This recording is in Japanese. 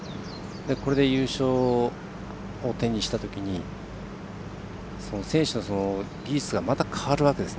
これで優勝を手にしたときに選手の技術がまた変わるわけです。